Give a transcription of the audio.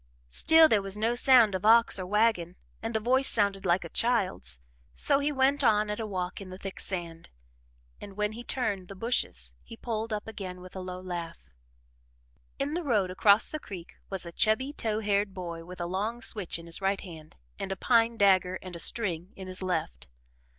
Still there was no sound of ox or wagon and the voice sounded like a child's. So he went on at a walk in the thick sand, and when he turned the bushes he pulled up again with a low laugh. In the road across the creek was a chubby, tow haired boy with a long switch in his right hand, and a pine dagger and a string in his left.